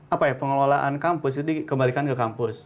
apa ya pengelolaan kampus itu dikembalikan ke kampus